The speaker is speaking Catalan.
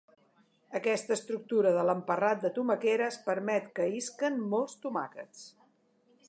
Aquesta estructura de l'emparrat de tomaqueres permet que isquen molts tomàquets.